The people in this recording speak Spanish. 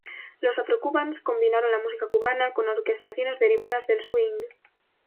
Los Afro-Cubans combinaron la música cubana con orquestaciones derivadas del swing.